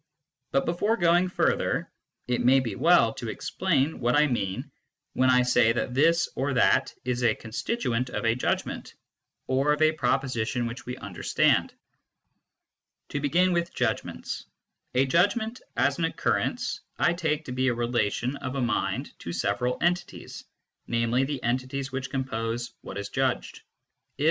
But before going further, it may be well to explain what I mean when I say that this or that is a constituent of a judgment, or of a proposition which we understand. To begin with judgments : a judgment, as an occurrence, I take to be a relation of a mind to several entities, namely, the entities which compose what is judgM. If, e.